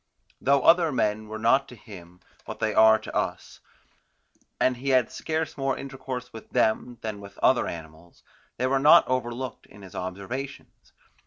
Though other men were not to him what they are to us, and he had scarce more intercourse with them than with other animals, they were not overlooked in his observations.